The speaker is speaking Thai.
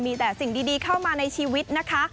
มีแต่สิ่งดีเข้ามาในชีวิตนะคะ